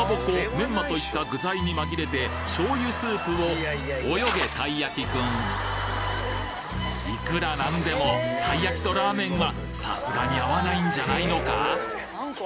メンマといった具材に紛れて醤油スープを泳げたいやきくんいくら何でもたい焼きとラーメンはさすがに合わないんじゃないのか？